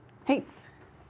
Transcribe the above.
はい。